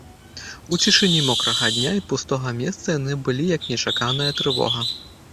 У цішыні мокрага дня і пустога месца яны былі як нечаканая трывога.